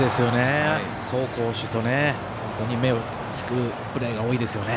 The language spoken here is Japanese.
走攻守と本当に目を引くプレーが多いですよね。